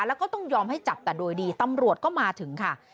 แล้วก็ต้องยอมให้จับแต่โดยดีตำรวจก็มาถึงค่ะ